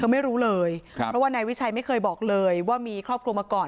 ไม่รู้เลยครับเพราะว่านายวิชัยไม่เคยบอกเลยว่ามีครอบครัวมาก่อน